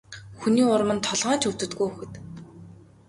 Хүний урманд толгой нь ч өвддөггүй хүүхэд.